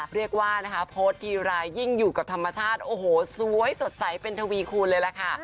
เรียกว่านะคะโพสต์ทีรายยิ่งอยู่กับธรรมชาติโอ้โหสวยสดใสเป็นทวีคูณเลยล่ะค่ะ